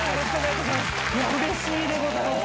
いやうれしいでございます。